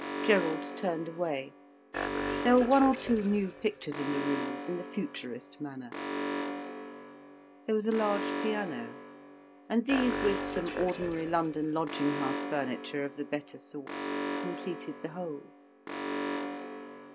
Gerald turned away. There were one or two new pictures in the room, in the Futurist manner; there was a large piano. And these, with some ordinary London lodging house furniture of the better sort, completed the whole.